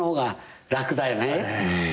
うん。